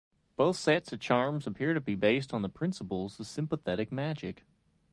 Both sets of charms appear to be based on the principles of sympathetic magic.